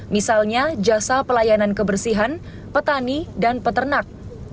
misalnya jasa pelayanan kebersihan petani dan peternak